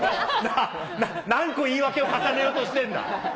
何個言い訳を重ねようとしてんだ。